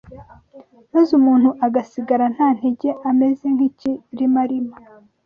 maze umuntu agasigara nta ntege ameze nk’ikirimarima.